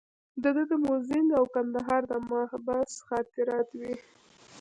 د ده مزنګ او کندهار د محبس خاطرات وې.